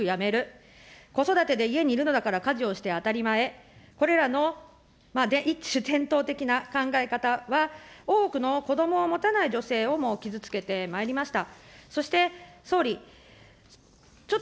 子どもを生むから女性は仕事をすぐ辞める、子育てで家にいるのだから家事をして当たり前、これらの一種伝統的な考え方は、多くの子どもを持たない女性をも傷つけてまいりました。